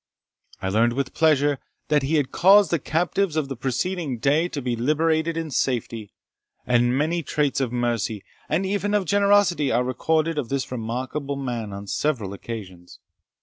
I learned with pleasure that he had caused the captives of the preceding day to be liberated in safety; and many traits of mercy, and even of generosity, are recorded of this remarkable man on similar occasions.